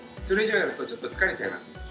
それ以上やるとちょっと疲れちゃいます。